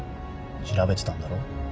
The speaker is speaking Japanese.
調べてたんだろ。